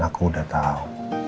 aku udah tau